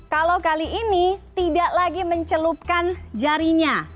kalau kali ini tidak lagi mencelupkan jarinya